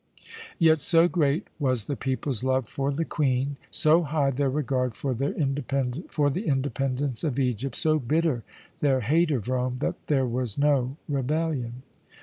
Yet so great was the people's love for the Queen, so high their regard for the independence of Egypt, so bitter their hate of Rome, that there was no rebellion.